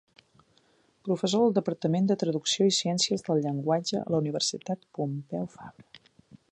Professor del Departament de traducció i ciències del llenguatge a la Universitat Pompeu Fabra.